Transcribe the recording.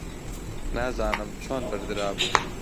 نازانم چۆن بەردرابوو.